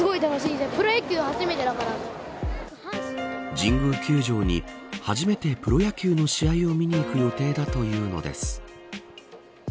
神宮球場に、初めてプロ野球の試合を見に行く予定だというのです。